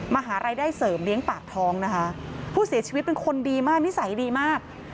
หารายได้เสริมเลี้ยงปากท้องนะคะผู้เสียชีวิตเป็นคนดีมากนิสัยดีมาก